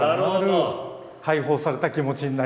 開放された気持ちになりたい。